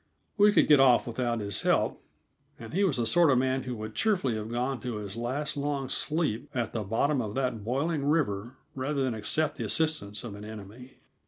We could get off without his help, and he was the sort of man who would cheerfully have gone to his last long sleep at the bottom of that boiling river rather than accept the assistance of an enemy.